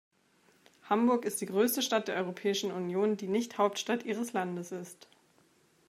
Hamburg ist die größte Stadt der Europäischen Union, die nicht Hauptstadt ihres Landes ist.